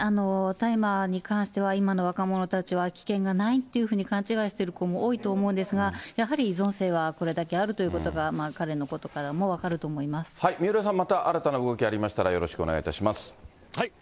大麻に関しては、今の若者たちは危険がないというふうに勘違いしている子も多いと思うんですが、やはり依存性はこれだけあるということが、彼のこ三浦さん、また新たな動きありましたら、よろしくお願いします。